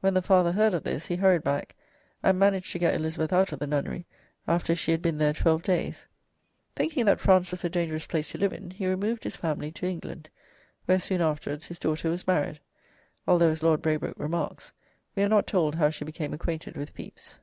When the father heard of this, he hurried back, and managed to get Elizabeth out of the nunnery after she had been there twelve days. Thinking that France was a dangerous place to live in, he removed his family to England, where soon afterwards his daughter was married, although, as Lord Braybrooke remarks, we are not told how she became acquainted with Pepys.